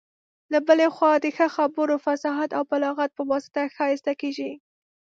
له بلي خوا د ښه خبرو، فصاحت او بلاغت په واسطه ښايسته کيږي.